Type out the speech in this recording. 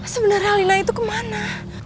sebenarnya alina itu kemana